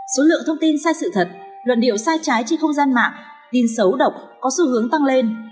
số lượng thông tin sai sự thật luận điệu sai trái trên không gian mạng tin xấu độc có xu hướng tăng lên